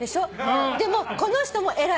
でもこの人も偉い。